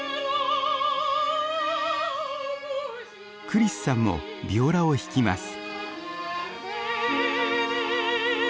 クリスさんもビオラを弾きます。